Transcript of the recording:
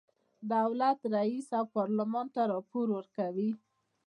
دولت رئیس او پارلمان ته راپور ورکوي.